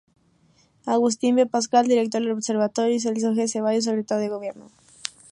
Agustín V. Pascal, Director del Observatorio, y Celso G. Cevallos, Secretario de Gobierno.